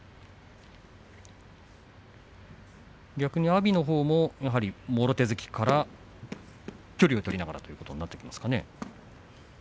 逆に阿炎のほうももろ手突きから距離を取りながらということになりますかね。